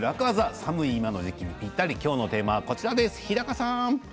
寒い今の時期にぴったり今日のテーマはこちらです。